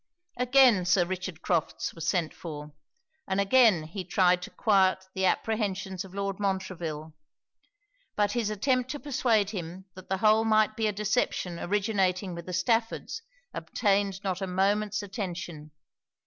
Again Sir Richard Crofts was sent for, and again he tried to quiet the apprehensions of Lord Montreville. But his attempt to persuade him that the whole might be a deception originating with the Staffords, obtained not a moment's attention.